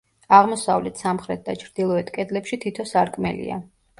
აღმოსავლეთ, სამხრეთ და ჩრდილოეთ კედლებში თითო სარკმელია.